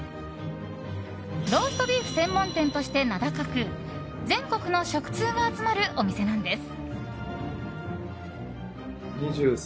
ローストビーフ専門店として名高く全国の食通が集まるお店なんです。